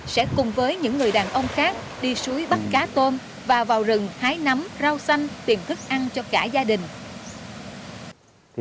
sẽ cùng với những người đàn ông khác đi suối bắt cá tôm và vào rừng hái nắm rau xanh tìm thức ăn cho cả gia đình